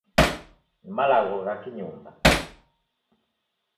Ni malagho gha ki-nyumba.